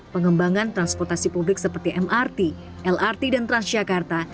pengembangan transportasi publik seperti mrt lrt dan transjakarta